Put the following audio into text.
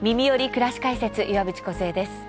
くらし解説」岩渕梢です。